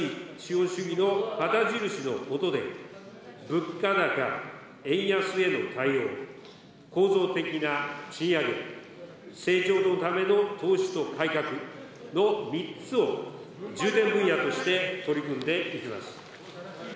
物価高円安への対応構造的な賃上げ成長のための投資と改革の３つを重点分野として取り組んでまいります。